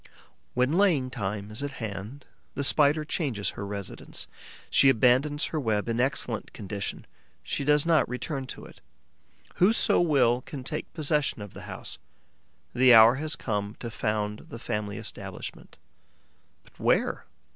When laying time is at hand, the Spider changes her residence; she abandons her web in excellent condition; she does not return to it. Whoso will can take possession of the house. The hour has come to found the family establishment. But where?